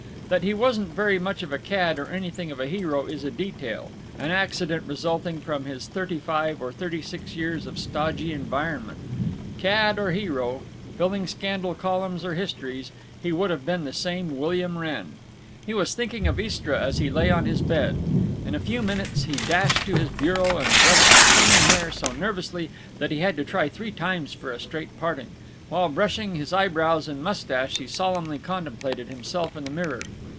That he wasn't very much of a cad or anything of a hero is a detail, an accident resulting from his thirty five or thirty six years of stodgy environment. Cad or hero, filling scandal columns or histories, he would have been the same William Wrenn. He was thinking of Istra as he lay on his bed. In a few minutes he dashed to his bureau and brushed his thinning hair so nervously that he had to try three times for a straight parting. While brushing his eyebrows and mustache he solemnly contemplated himself in the mirror.